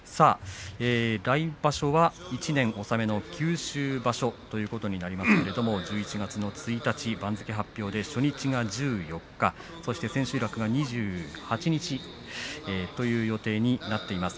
来場所は１年納めの九州場所ということになりますけれども１１月１日番付発表で初日が１４日そして千秋楽が２８日という予定になっています。